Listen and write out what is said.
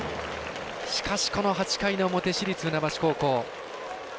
しかしこの８回表、市立船橋高校。